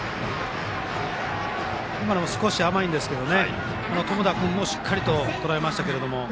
今の少し甘いですが友田君もしっかりとらえましたが。